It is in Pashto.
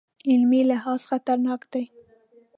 عملي لحاظ خطرناک دی.